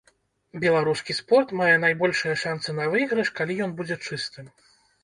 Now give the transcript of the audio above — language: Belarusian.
Беларускі спорт мае найбольшыя шанцы на выйгрыш, калі ён будзе чыстым.